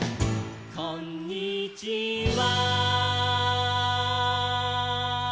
「こんにちは」「」「」